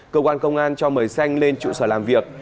cơ quan công an cho mời xanh lên trụ sở làm việc